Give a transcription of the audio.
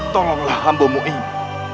tolonglah hambamu ini